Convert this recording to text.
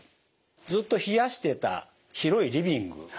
ずっと冷やしてた広いリビング。